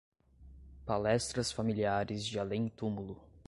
Palestras familiares de além-túmulo